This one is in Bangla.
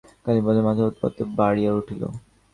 কালীপদর মাথাধরার উৎপাত বাড়িয়া উঠিল।